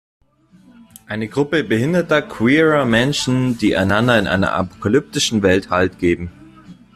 Eine Gruppe behinderter, queerer Menschen, die einander in einer apokalyptischen Welt Halt geben.